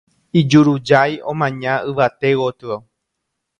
ijurujái omaña yvate gotyo